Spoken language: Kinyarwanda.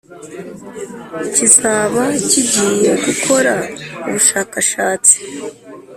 Kizaba kigiye gukora ubushakashatsi